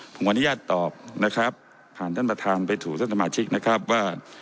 ผมขออนุญาตตอบนะครับผ่านท่านประธานไปสู่ท่านสมาชิกนะครับว่า